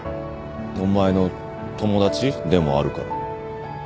お前の友達でもあるから？